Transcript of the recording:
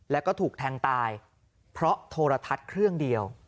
แล้วก็ถูกแทงตายเพราะโทรทัศน์เครื่องเดียว